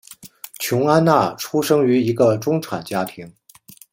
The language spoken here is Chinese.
琼安娜出生于一个中产家庭。